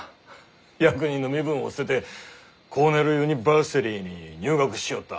役人の身分を捨ててコーネルユニバーシティーに入学しおった。